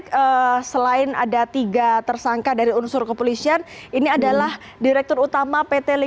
terima kasih banyak pitcher orang terima kasih banyak kayanya porque